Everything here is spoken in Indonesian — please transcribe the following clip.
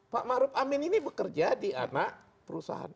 pak maruf amin ini bekerja di anak perusahaan